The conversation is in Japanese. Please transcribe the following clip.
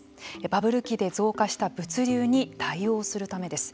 バブル期で増加した物流に対応するためです。